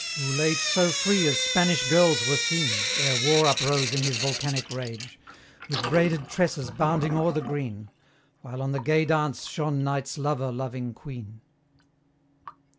Who late so free as Spanish girls were seen (Ere War uprose in his volcanic rage), With braided tresses bounding o'er the green, While on the gay dance shone Night's lover loving Queen?